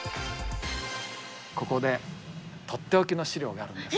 ここで取って置きの資料があるんです。